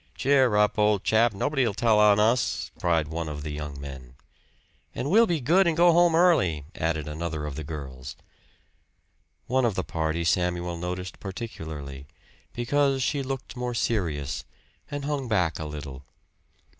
"Cheer up, old chap nobody'll tell on us!" cried one of the young men. "And we'll be good and go home early!" added another of the girls. One of the party Samuel noticed particularly, because she looked more serious, and hung back a little.